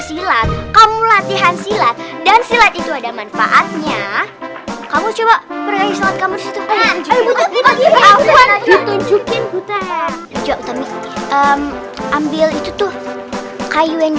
silat kamu latihan silat dan silat itu ada manfaatnya kamu coba beri shalat kamu begitu jika juga kamu benar benar kamu itu jago silat kamu latihan silat dan silat itu ada manfaatnya kamu coba berani sangat kamu setuhu jajanya